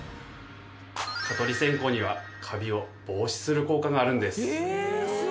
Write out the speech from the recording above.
蚊取り線香にはカビを防止する効果があるんです。